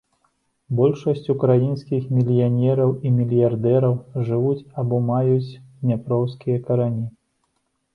Большасць украінскіх мільянераў і мільярдэраў жывуць або маюць дняпроўскія карані.